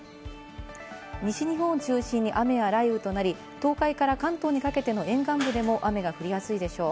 西日本を中心に雨や雷雨となり、東海から関東にかけての沿岸部でも雨が降りやすいでしょう。